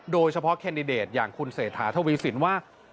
โดยเฉพาะตำแหน่งอย่างคุณเสถาธวีศิลป์ว่า